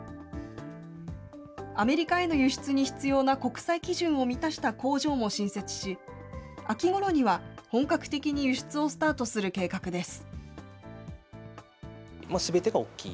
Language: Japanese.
アメリカへの輸出に必要な国際基準を満たした工場も新設し、秋ごろには本格的に輸出をスタートする計画です。